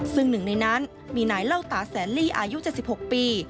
ซึ่งหนึ่งในนั้นมีนายเล่าตาแสนลี่อายุ๗๖ปี